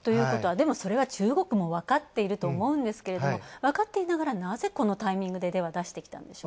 それは中国も分かっていると思うんですけれども分かっていながら、なぜこのタイミングで出してきたんでしょうか。